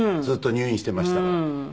ずっと入院してましたから。